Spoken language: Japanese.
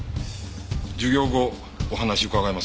授業後お話伺えますか？